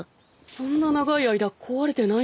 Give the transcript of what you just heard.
そんな長い間壊れてないの？